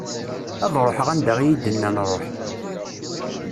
Ad ruḥeɣ anda i yi-d-nnan ruḥ.